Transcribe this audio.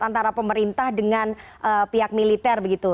antara pemerintah dengan pihak militer begitu